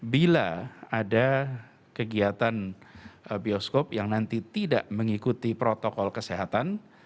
bila ada kegiatan bioskop yang nanti tidak mengikuti protokol kesehatan